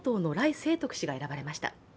清徳氏が選ばれました。